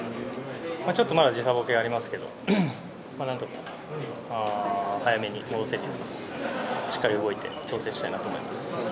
まだ時差ボケはありますけど何とか早めに戻せるようにしっかり動いて調整したいと思います。